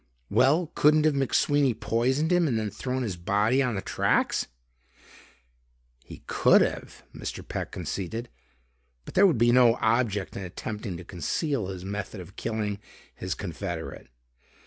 "Well, couldn't have McSweeney poisoned him and then thrown his body on the tracks?" "He could have," Mr. Peck conceded, "but there would be no object in attempting to conceal his method of killing his confederate.